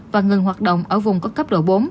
và ngừng hoạt động ở vùng có cấp độ bốn